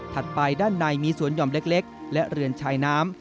ไปด้านในมีสวนหย่อมเล็กและเรือนชายน้ำ